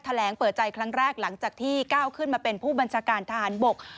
แหลงเปิดใจครั้งแรกหลังจากที่ก้าวขึ้นมาเป็นผู้บัญชาการทหารบก